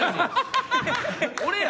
俺や！